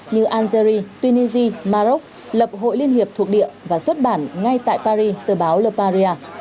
như algeria tunisia maroc lập hội liên hiệp thuộc địa và xuất bản ngay tại paris từ báo leparia